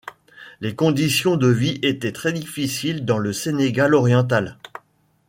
Les conditions de vie étaient très difficiles dans le Sénégal oriental.